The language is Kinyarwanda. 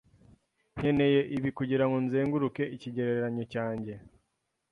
Nkeneye ibi kugirango nzenguruke icyegeranyo cyanjye.